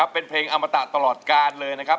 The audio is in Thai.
เป็นเพลงอมตะตลอดกาลเลยนะครับ